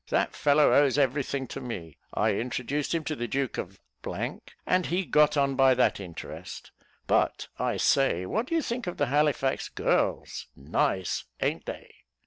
That fellow owes every thing to me. I introduced him to the duke of , and he got on by that interest; but, I say, what do you think of the Halifax girls? nice! a'n't they?"